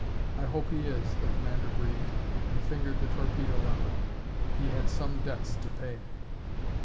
"I hope he is!" the commander breathed, and fingered the torpedo lever. He had some debts to pay.